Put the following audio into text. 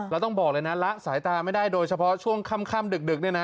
แล้วต้องบอกเลยนะละสายตาไม่ได้โดยเฉพาะช่วงค่ำดึกเนี่ยนะ